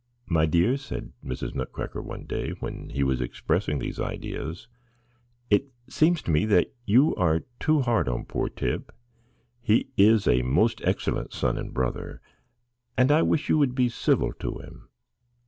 "My dear," said Mrs. Nutcracker one day, when he was expressing these ideas, "it seems to me that you are too hard on poor Tip; he is a most excellent son and brother, and I wish you would be civil to him."